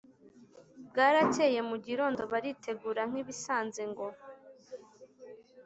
bwarakeye mugirondo baritegura nkibisanze ngo